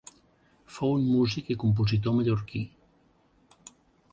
Fou un músic i compositor mallorquí.